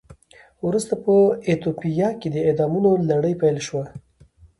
ورسته په ایتوپیا کې د اعدامونو لړۍ پیل شوه.